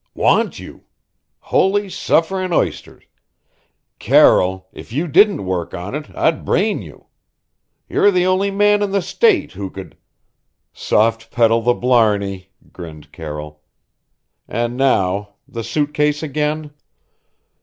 "Want you? Holy sufferin' oysters! Carroll, if you didn't work on it, I'd brain you! You're the only man in the State who could " "Soft pedal the blarney," grinned Carroll. "And now the suit case again."